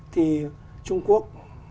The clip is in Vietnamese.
thì trung quốc